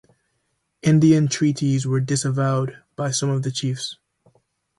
Indian treaties were disavowed by some of the chiefs.